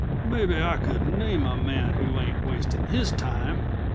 "Mebbe I could name a man who ain't wastin' his time!"